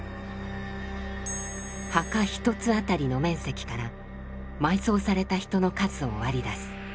墓１つ当たりの面積から埋葬された人の数を割り出す。